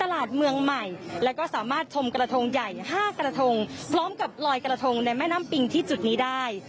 เมืองใหม่และก็สามารถชมกระทงใหญ่๕กระทงพร้อมกับลอยกระทงในแม่น้ำปิงที่จุดนี้ได้